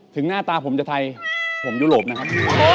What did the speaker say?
หน้าตาผมจะไทยผมยุโรปนะครับ